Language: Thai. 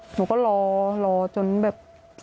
หนูก็รอรอจนแบบ